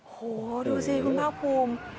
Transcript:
โหดูสิคุณภาพภูมิ